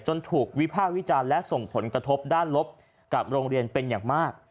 ถูกวิภาควิจารณ์และส่งผลกระทบด้านลบกับโรงเรียนเป็นอย่างมาก